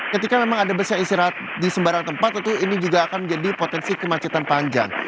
ketika memang ada bus yang istirahat di sembarang tempat tentu ini juga akan menjadi potensi kemacetan panjang